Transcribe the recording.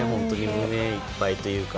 胸いっぱいというか。